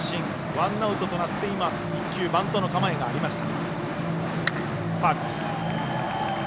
ワンアウトとなって今、１球バントの構えがありました。